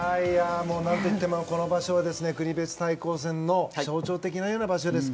何といってもこの場所は国別対抗戦の象徴的な場所です。